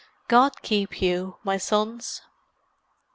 "God keep you, my sons!"